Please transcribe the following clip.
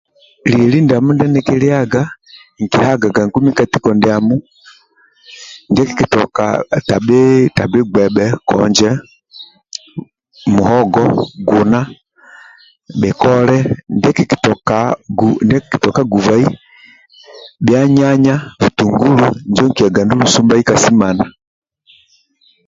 Leli ndiamo ndie nikiliaga nikihagaga nkumi ka tiko ndiamo ndie kikitoka tabhi tabhi gbebhe konje muhogo guna bhikole ndie kikitoka gu ndie kitoka gubai bnia nyanya butungulu injo nkiyaga ndulu sumbai ka simana